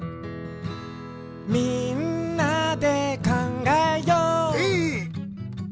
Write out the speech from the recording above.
「みんなでかんがえよう」エー！